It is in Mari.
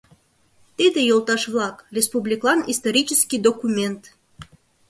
Тиде, йолташ-влак, республикылан исторический документ.